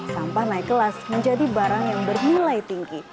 sampah naik kelas menjadi barang yang bernilai tinggi